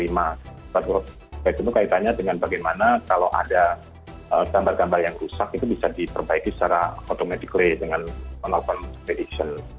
itu kaitannya dengan bagaimana kalau ada gambar gambar yang rusak itu bisa diperbaiki secara automatically dengan menggunakan prediction